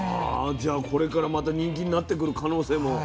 じゃあこれからまた人気になってくる可能性も。